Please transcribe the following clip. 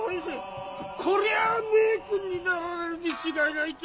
こりゃあ名君になられるに違いないと！